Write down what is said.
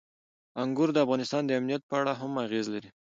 انګور د افغانستان د امنیت په اړه هم اغېز لري.